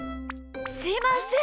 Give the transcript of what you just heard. すいません。